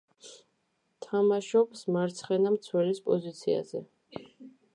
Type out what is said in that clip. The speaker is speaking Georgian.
თამაშობს მარცხენა მცველის პოზიციაზე.